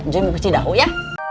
cuy mau kecih dahulu ya